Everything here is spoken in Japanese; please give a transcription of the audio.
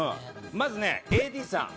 まずねＡＤさん。